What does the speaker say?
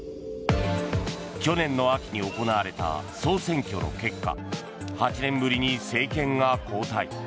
去年の秋に行われた総選挙の結果８年ぶりに政権が交代。